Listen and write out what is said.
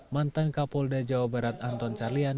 mantan kapolda jawa barat anton carlyan